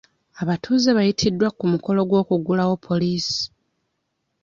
Abatuuze baayitiddwa ku mukolo gw'okuggulawo poliisi.